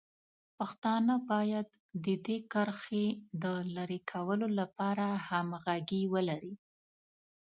پښتانه باید د دې کرښې د لرې کولو لپاره همغږي ولري.